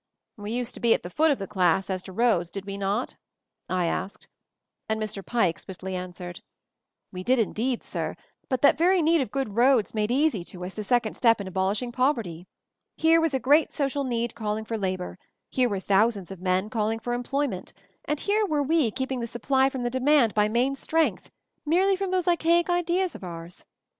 "We used to be at the foot of the class as to roads, did we not?" I asked; and Mr. Pike swiftly answered : "We did, indeed, sir. But that very need of good roads made easy to us the second step in abolishing poverty. Here was a great social need calling for labor ; here were thousands of men calling for employment; and here were we keeping the supply from the demand by main strength — merely from those archaic ideas of ours.